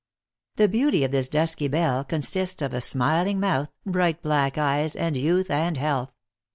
The beauty of this dusky belle consists of a smiling mouth, bright black eyes, and youth and health.